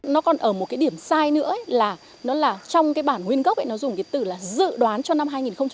nó còn ở một cái điểm sai nữa là nó là trong cái bản nguyên gốc ấy nó dùng cái từ là dự đoán cho năm hai nghìn hai mươi